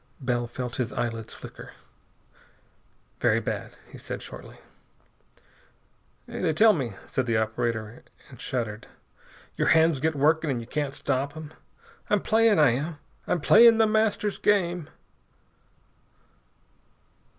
Bell felt his eyelids flicker. "Very bad," he said shortly. "They tell me," said the operator and shuddered, "your hands get working and you can't stop 'em.... I'm playing, I am! I'm playing The Master's game!"